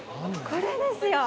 これですよ。